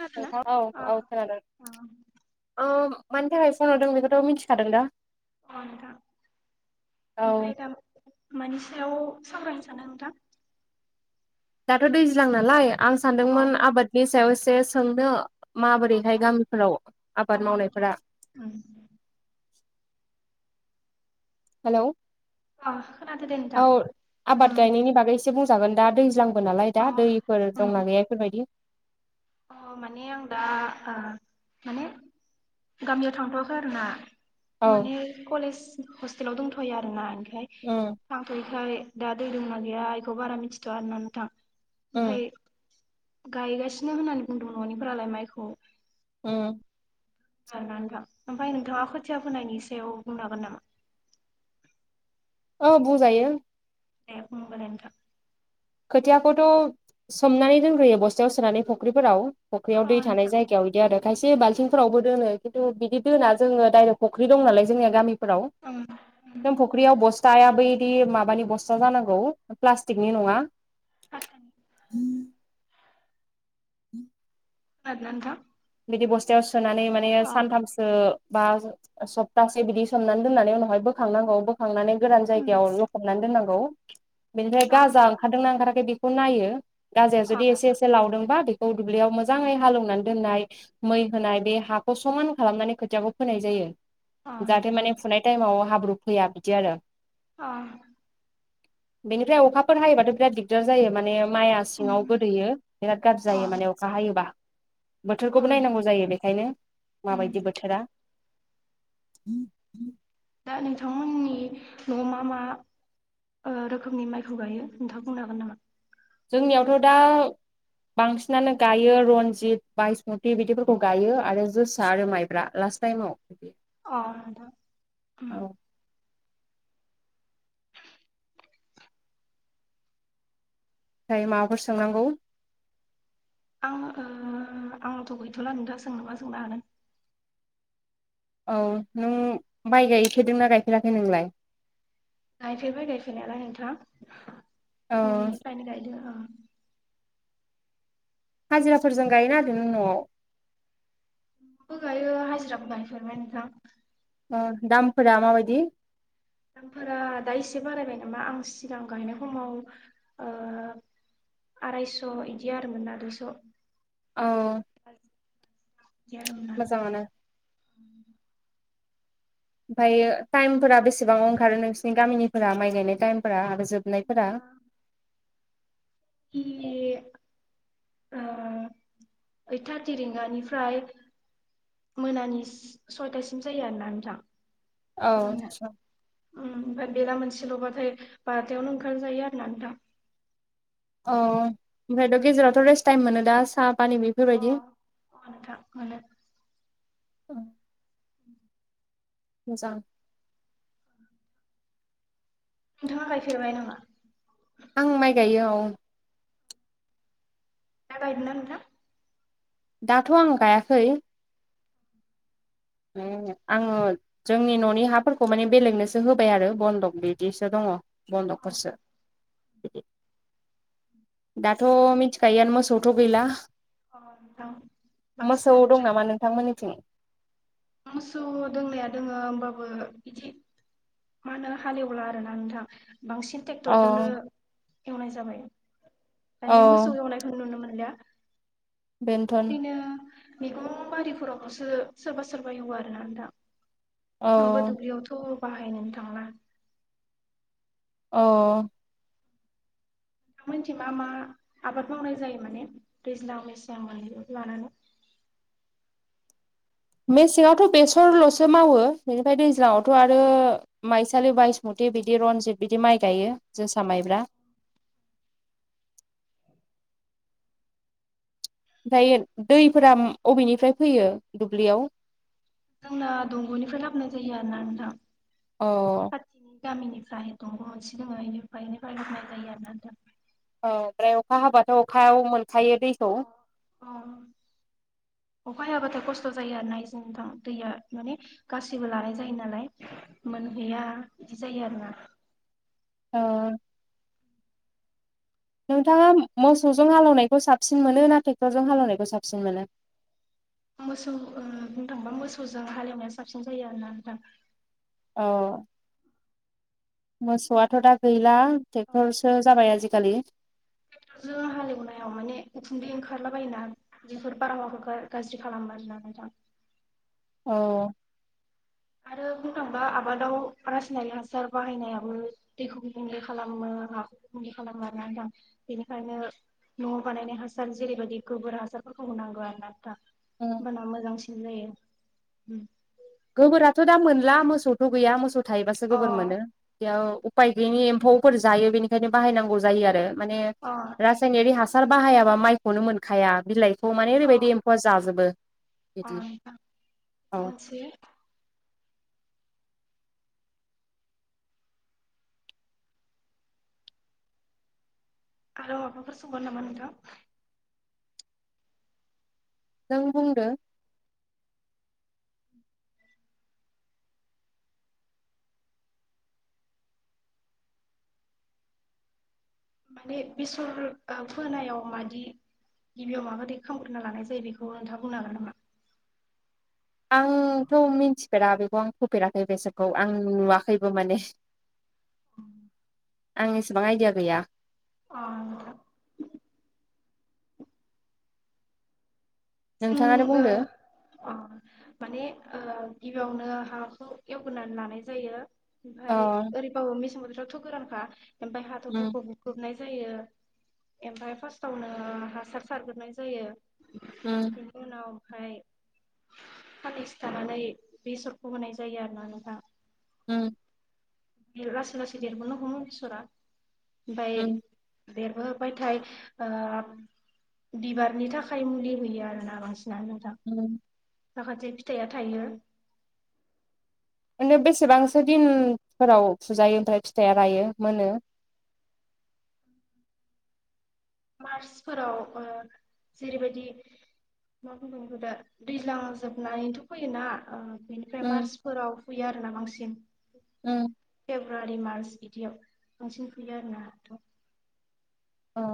खोनादोंना? [unintelligible] औ अ औ खोनादों अ ओ मानि थाखाय फनहरदों बेखौथ' मिथिखादों दा [unintelligible] [unintelligible] औ सायाव सामरायनो सानो नोंथां दाथ' दैज्लां नालाय आं अ सानदोंमोन आबादनि सायाव एसे सोंनो अ माबोरैहाय गामिफोराव अ आबाद नोंथां मावनायफोरा उम हेलौ आ औ आबाद गायनायनि बागै एसे बुंजागोन दा दैज्लां बो नालाय अ दा दैफोर उम दंना गैया इफोरबायदि अ माने आं दा ओ माने गामियाव थांथ'वाखै आरोना औ माने कलेज हस्टेलाव दंथ'यो आरोना [unintelligible] उम थांथ'यैखाय दा दै दंना गैया इखौ बारा मिथिथ'वा आरोना नोंथां उम ओमफाय गायगासिनो [unintelligible] होननानै बुंदों न'निफोरालाय माइखौ उम आरोना नोंथां ओमफाय नोंथाङा खोथिया फोनायनि सायाव बुंनो हागोन नामा औ बुजायो दे बुं होमबालाय नोंथां खोथियाखौथ' सोमनानै दोनग्रोयो बस्थायाव सोनानै फुख्रिफोराव अ फख्रियाव दै थानाय नोंथां जायगायाव इदि आरो खायसे बाल्थिंफोरावबो दोनो [unintelligible] बिदि दोना जङो डाइरेक्ट फ'ख्रि दं नालाय जोंनिया गामि फोराव ओम [unintelligible] फख्रियाव बस्थाया बै [unintelligible] माबानि बस्था जानांगौ प्लास्टिकनि नङा [unintelligible] [unintelligible] खोनादोना नोंथां बिदि बस्थायाव सोनानै माने अ ओम अ सानथामसो बा सप्तासे बिदि सोमनानै दोननानै उनावहाय बोखांनांगौ बोखांनानै गोरान नोंथां जायगायाव लखब [unintelligible] दोननांगौ बेनिफ्राय गाजा अ ओंखारदोंना ओंखाराखै बेखौ नायो गाजाया जुदि एसे एसे लावदोंबा बे गौ दुब्लियाव मोजाङै हालेवनानै दोननाय मै होनाय बे हाखौ समान खालामनानै खोथियाखौ फोनाय जायो जाहाथे नोंथां माने अ फुनाय टाइमाव हाब्रु फैया बिदि आरो अ बेनिफ्राय अखाफोर हायोबाथ' बिराद दिगदार जायो माने माइआ ओम सिङाव गोदैयो बिराद गाज्रि अ जायो माने अखा हायोबा अ बोथोरखौबो ओम नायनांगौ जायो बेखायनो माबायदि बोथोरा दा नोंथांमोननि न' मा मा अ रोखोमनि माइखौ गायो नोंथाङ बुंनो हागोन नामा जोंनियावथ' दा बांसिनानो गायो रनजित बायसमुति बिदिफोरखौ गायो आरो जोसा आरो माइब्रा फासटाइमाव अ नोंथां ओम औ ओमफ्राय माबाफोर सोंनांगौ अ आंनथ' गैथ'ला नोंथाङा सोंनोबा सोंनो हागोन औ नों माइ गायफेरदोंना गायफेराखै नोंलाय गायफेरबाय गायफेरनायालाय नोंथां औ उनदैनिफ्रायनो गायदो अं हाजिराफोरजों गाय ना ओरैनो न'आव बो गायो हाजिराबो गायफेरबाय नोंथां अ दाम दामफोरा दा एसे बारायबाय जेनबा आं सिगां गायनाय समाव ओ आरायस' इदि आरोमोनना दुइस' अ [unintelligible] मोजांङानो [unintelligible] ओमफायो टाइमफोरा बेसेबां ओंखारो नोंसिनि गामिनिफोरा माइ गायनाय टाइमफोरा आरो जोबनायफोरा ना [unintelligible] ओ ओइट थारटि रिंगानिफ्राय मोनानि सयथासिम जायो आरोना नोंथां औ जोंना आतसा ओमफ्राय बेला मोनसेल'बाथाय बार'थायावनो ओंखाम जायो आरो ना नोंथां औ ओमफ्रायथ' गेजेरावथ' रेस्ट टाइम मोनो दा सा अ औ नोंथां मोनो औ [unintelligible] मोजां नोंथांङा गायफेरबाय नामा? आं माइ गायो औ दा गायदों ना नोंथां? दाथ' आं गायाखै आंङो जोंनि न'नि हाफोरखौ माने बेलेगनोसो होबाय आरो बन्दक बिदिसो दंङ। अ बन्दकफोरसो दाथ' मिथिखायोआनो मोसोथ गैला अ दा मोसौ बांसिनानो दं ट्रे नामा [unintelligible] मोसौ दोंनाया दोंङो होमबाबो बिदि मा होनो हालिवला आरो ना नोंथां बांसिन औ ट्रेक्टरदोनो एवनाय जाबाय औ दानिया मोसौ एवनायखौ नुनो मोनो मोनो बेनोथन बिदिनो मैगं बारिफोरावसो सोरबा सोरबा एवो आरो ना दा नोंथां औ नंङाबा दुब्लियावथ' बाहायनोनो थांला औ नोंथांमोनथिं मा मा आबाद मावनाय जायो माने दैज्लां मेसें मोननैखौबो लानानै [inaudible] मेसेंआवथ' बेसरल'सो मावो बेनिफ्राय दैज्लांवथ' आरो माइसालि बायस मथ बिबिदि रनजित बिदि माइ गायो जोसा माइब्रा ओमफ्राय दैफोरा अबेनिफ्राय फैयो दुब्लियाव जोंना दंग'निफ्राय लाबोनाय जायो आरोना नोंथां अ खाथिनि गामिनिफ्राय [unintelligible] दंग' मोनसे दोङो इनिफा एैफ्रायाय लबनाय जायो आरोा दा औ ओमफ्राय अखा हाबाथ' अखायाव मोन फायो दैखौ अ अखा हायाब्लाथाय खस्थ' जायो आरोना एसे नोंथां दैया माने गासिबो लानाय जायो नालाय मोन गैया बिदि जायो आरोना ओ नोंथांङा मोसौजों हालौनायखौ साबसिन मोनो ना ट्रेक्टरजों हालौनायखौ साबसिन मोनो? [inaudible] मोसौ ओ बुंनो थांबा मोसौजों हालेवनाया साबसिन जायो आरोना नोंथां अ मोसौआथ' दा गैला। ट्रेक्टरसो जाबाय आजिखालि जों हालेवनायाव माने उखुन्दै ओंखाम ओंखारला बायोना बेफोर बारहावाखौ गाज्रि खालामो आरोना नोंथां। औ। आरो बुंनो थाङोबा आबादाव रासायनारि हासार बाहायनायाबो दैखौ गुबुंले खालामो। खालामो आरोना नोंथां बेनिखायनो न'आव बानायनाय हासार जेरैबायदि गोबोर हासारफोरखौ होनांगौ आरो ना। उम होमबाना मोजांसिन जायो। गोबोराथ' दा मोनला मोसौथ' गैया मोसौ थायोबासो अ गोबोर मोनो बेयाव उफाय गैयिनि एम्फौफोर जायो बेनिखायनो बायनांगौ जायो आरो मानि अ रासायनारि हासार बाहायाबा माइखौनो मोनखाया बिलाइ औ माने अ ओरैबायदि एम्फौआ जाजोबो अ बिदि नोंथां औ। मोनसे आरो माबाफोर सोंबावनो नामा नोंथां। नों बुंदो। माने बेसर फोनायाव मादि गिबियाव माबादै खालामग्रोनना लानाय जायो बेखौ नोंथाङा बुंनो हागोन नामा? आंथ' मिथिफेरा बेखौ आं फोफेराखै बेसरखौ आं नुवाखैबो माने [inaudible] आं एसेबां आइडिया गैया। अ। जों नोंथाङानो बुंदो माने ओ गिबियावनो हाखौ एवगोरानै लानाय जायो अ ओमफ्राय ओरैबाबो मेसें बोथोर थ' गोरानखा ओमफ्राय उम हाथ'रफोरखौ बुख्रुबनाय जायो ओमफ्राय फार्स्टवनो हासार सारग्रोनाय जायो। [inaudible] उनावहाय साननैसो थानानै बेसरखौ होनाय जायो आरो ना नोंथां। उम। लासै लासै देरबोनो हमो इसरा ओमफाय उम बेरबोबाथाय ओ बिबारनि थाखाय मुलि होयो आरोना बांसिन। ना नोंथां उम माखासे फिथाइया थायो। बिनो बेसेबांसो दिनफोराव फुजायो ओमफ्राय फिथाइया रायो मोनो। मार्चफोराव ओ जेरैबायदि मा बुंगोन बेखौ दा दैज्लां जोबनायैथ' फैयोना ओ। बेनिफ्राय उम मार्चफोराव फुयो आरोना बांसिन उम फेब्रुवारि मार्च। बिदियाव बांसिन फुयो आरो नोंथां। औ।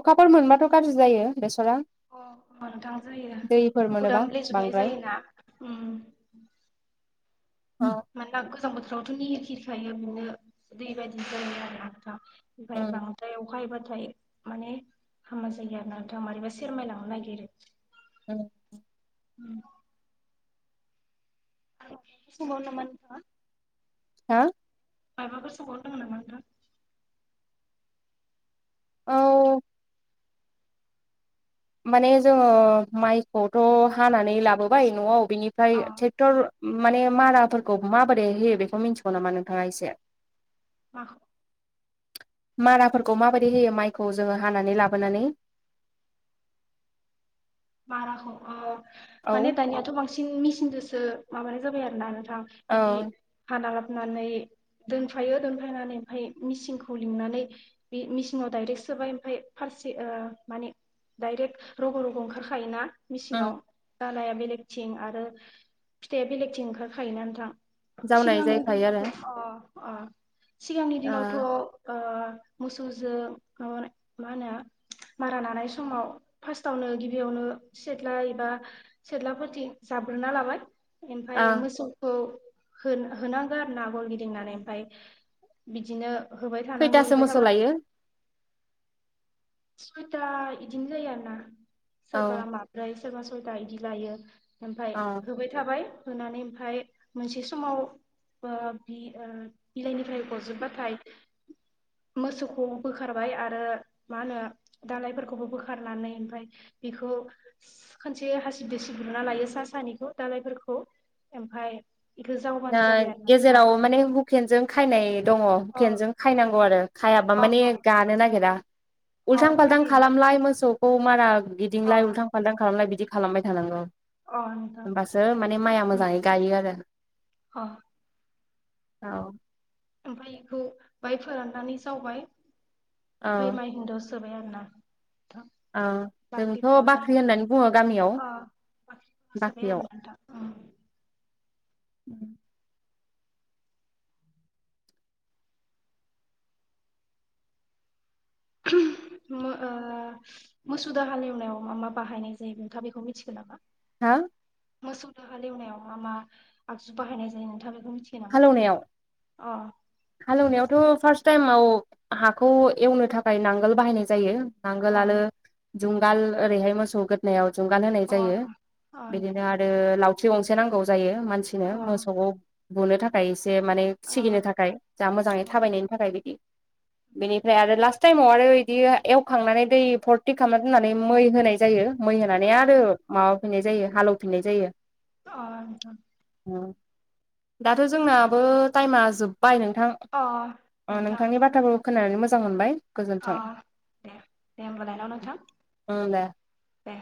अखाफोर मोनबाथ' गाज्रि जायो बेसरा। अ नोंथां जायो दैफोर मोनोबा बुदामलेे जोबनाय बांद्राय जायोना ओम। अ मानोना गोजां बोथोरावथ' निहिर खिरिखायो बिनो दै बायदि जायो आरोना नोंथां। ओमफाय उम बांद्राय अख हायोबाथ' ओमफ्राय माने हामा जायो आरोना नोंथां मारैबा सेरमायलांनो नागिरो। औ। उम सबावनो नामा नोंथांङा हा। मायबाफोर सोंबावनो दंङ नामा नोंथां? औ। माने जोंङो माइखौथ' हानानै लाबोबाय न'आव बिनिफ्राय अ ट्रेक्टर माने माराफोरखौ माबोरै होयो बिखौ मिथिगौ नामा नोंथांङा एसे? माखौ? माराफोरखौ माबायदि होयो माइखौ जोंङो हानानै लाबोनानै। माराखौ ओ माने औ दानियाथ' बांसिन मेचिनजोंसो माबानाय जाबाय आरोना नों थां बिदि औ हाना लाब नानै दोनफायो दोनफैनानै ओमफ्राय मिसिनखौ लिंनानै बि मिसिनाव डाइरेक्ट सो जोबाय ओमफ्राय फारसे ओ माने डाइरेक्ट रग' रग' ओंखार खा खायोना उम मिसिंयाव दालाया बेलेगथिं आरो फिथाइआ बेलेगथिं ओंखारखायोना नोंथां? जावनाय सिगांनि जायखायो दिनावथ' आरो अ अ सिगांनि दिनावथ' ओ मोसौजों माबानाय मा होनो मारा नानाय समाव फास्तयावनो गिबि बेयावनो सिथ्ला एबा सिथ्लाफोरथि जाब्रेना लाबाय ओमफाय ओ मोसौखौ होन होनांगौ आरो ना गल गिदिंनानै ओमफाय बिदिनो होबाय थानांगौ खैथासो होबाय मोसौ थाबाथाय लायो। सुइथा इदिनो जायो आरो ना सोरबा औ माब्रै। सोरबा सयथा इदि लायो ओमफाय औ होबाय थाबाय होनानै ओमफ्राय मोनसे समाव बा बि ओ बिलाइनिफ्राय गजोबबाथाय मोसौखौ बोखारबाय आरो मा होनो दालायफोरखौबो बोखारनानै ओमफ्राय बिखौ खोनसे हासिबदो सिबदो हमना लायो सा सानिखौ दालायफोरखौ ओमफाय इखो जावबानो फाय जाबाय आरोना नोंथां गेजेराव माने हुकेनजों खायनाय दंङ अ हुकेनजों खायनांगौ आरो। हायाबा अ माने अ गानो नागिरा उल्थां अ फाल्थां खायो खालामलाय मोसौखौ मारा अ गिदिंलाय उलथां फालथां खालामलाय बिदि खालामबाय थानांगौ। अ नोंथां होनबासो माने माइआ मोजाङै गायो आरो। औ औ ओमफ्राय बेखौ बाय फोराननानै जावबाय ओमफ्राय माइ हुंदोआव संबाय आरो ना। नोंथां ओं‌ जोंथ' बाख्रिफोराव बाख्रि होननानै बुङो गामियाव बासोबाय आरो बाख्रियाव नोंथां ओम। [inaudible] [inaudible] मो ओ मोसुदो हालेवनायाव मा मा बाहायनाय जायो नोंथाङा बेखौ मिथिगो नामा। हां मोसौदो हालेवनायाव मा मा आगजु बाहायनाय जायो नोंथां बेखौ मिथियो नामा। अ। हाल एवनायावथ' फार्स्ट टाइमाव हाखौ एवनो थाखाय नांगोल बाहायनाय जायो। नांगोल अ आलो जुगाल ओरैहाय मोसौ गोदनायाव जुंगान होनाय अ जायो अ नोंथां अ बिदिनो आरो लावथि गंसे नांगौ जायो। मानसिनो मोसौखौ बुनो थाखाय एसे माने अ सिगिनो थाखाय जों मोजाङै थाबायनायनि थाखाय बिदि बेनिफ्राय आरो लास टाइमाव आरो इदि एवखांनानै दै भरथि खालामना दोननानै मै होनाय जायो। मै होनानै अ आरो माबाफिननाय जायो हालौफिननाय जायो। अ दाथ' जोंनाबो टाइम आ जोबबाय नोंथां अ अ नोंथां नोंथांनि बाथ्राखौ खोनानानै मोजां मोनबाय अ गोजोन्थों दे दे होमबालाय न' नोंथां ओं दे दे।